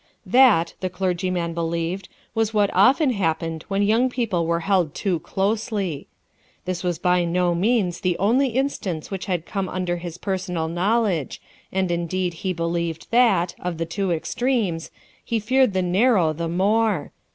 That, the clergyman believed, was what often happened when young people were held too closely. That was by no means the only instance which had come under his personal knowledge, and indeed he believed that, of the two extremes, he feared the narrow the more.